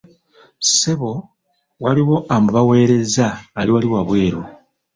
Ssebo waliwo amubawerezza ali wali wabweru.